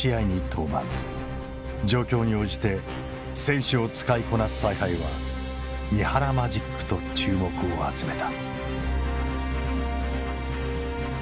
状況に応じて選手を使いこなす采配は三原マジックと注目を集めた。